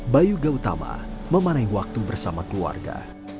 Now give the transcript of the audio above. bayu gautama memanai waktu bersama keluarga